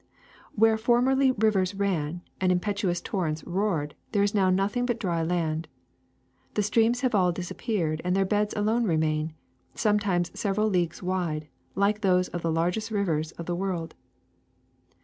Where formerly rivers ran and impetuous tor rents roared, there is now nothing but dry land. The streams have all disappeared and their beds alone remain, sometimes several leagues wide, like those of the largest rivers of the world.